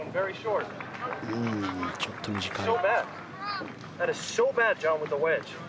ちょっと短い。